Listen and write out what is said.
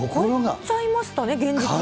変わっちゃいましたね、現実が。